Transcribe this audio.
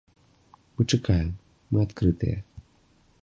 Мы чакаем, мы адкрытыя.